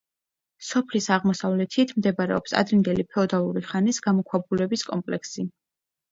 სოფლის აღმოსავლეთით მდებარეობს ადრინდელი ფეოდალური ხანის გამოქვაბულების კომპლექსი.